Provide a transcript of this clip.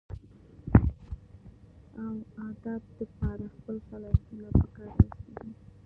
اوادب دپاره خپل صلاحيتونه پکار راوستي دي